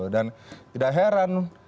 dan tidak heran